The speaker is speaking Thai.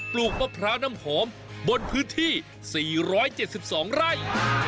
ลูกมะพร้าวน้ำหอมบนพื้นที่๔๗๒ไร่